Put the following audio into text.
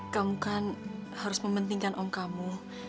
kamu kan harus mementingkan om kamu